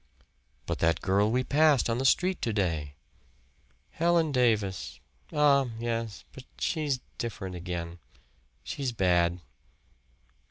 "But that girl we passed on the street to day!" "Helen Davis. Ah, yes but she's different again. She's bad."